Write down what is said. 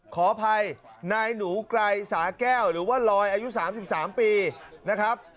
ขออภัยนายหนูไกรสาแก้วหรือว่าลอยอายุ๓๓ปีนะครับ